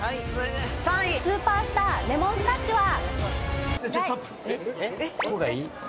「スーパースター・レモンスカッシュは」